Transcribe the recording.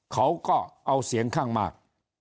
เขาก็เอาเสียงข้างมาก